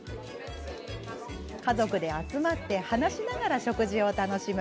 家族で集まり話しながら食事を楽しむ。